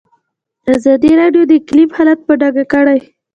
ازادي راډیو د اقلیم حالت په ډاګه کړی.